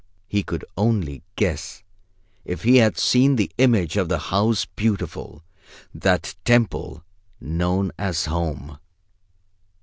He could only guess if he had seen the image of the House Beautiful, that temple known as Home.